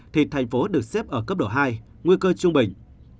thì tp hcm được xếp ở cấp độ hai nguy cơ trung bình